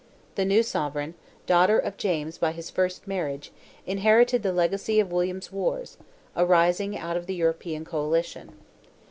The new sovereign, daughter of James by his first marriage, inherited the legacy of William's wars, arising out of the European coalition.